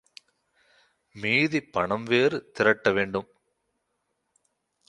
மீதிப்பணம், வேறு திரட்ட வேண்டும்.